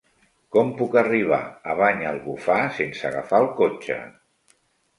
Com puc arribar a Banyalbufar sense agafar el cotxe?